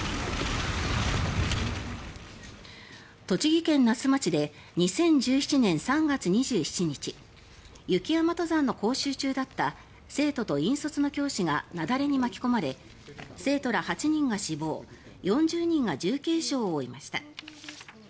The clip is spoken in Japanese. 栃木県那須町で２０１７年３月２７日雪山登山の講習中だった生徒と引率の教師が雪崩に巻き込まれ生徒ら８人が死亡４０人が重軽傷を負いました。